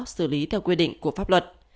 xử lý theo quy định của pháp luật